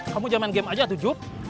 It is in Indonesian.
kamu jangan main game aja atu jub